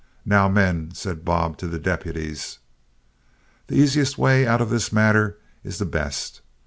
"Now, men," said Bob to the deputies, "the easiest way out of this matter is the best.